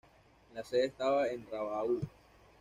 La sede estaba en Rabaul.